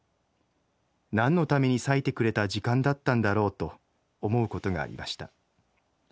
『なんのために割いてくれた時間だったんだろう』と思うことがありました。